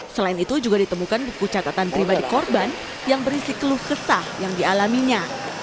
selain itu juga ditemukan buku catatan pribadi korban yang berisi keluh kesah yang dialaminya